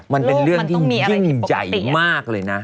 มันเป็นเรื่องที่ยิ่งใหญ่มากเลยนะ